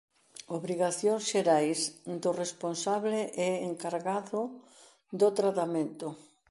Obrigacións xerais do responsable e encargado do tratamento.